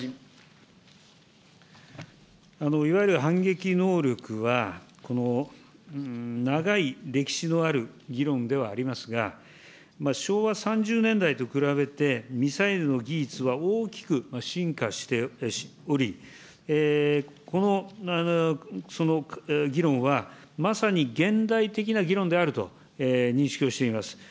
いわゆる反撃能力は、長い歴史のある議論ではありますが、昭和３０年代と比べて、ミサイルの技術は大きく進化しており、この議論は、まさに現代的な議論であると認識をしています。